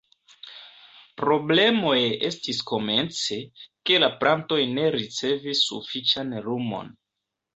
Problemoj estis komence, ke la plantoj ne ricevis sufiĉan lumon.